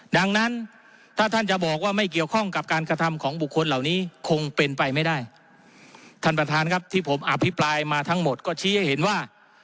ดังนั้นถ้าท่านจะบอกว่าไม่เกี่ยวข้องกับการกระทำของบุคคลเหล่านี้คงเป็นไปไม่ได้ท่านประธานครับที่ผมอภิปรายมาทั้งหมดก็ชี้ให้เห็นว่า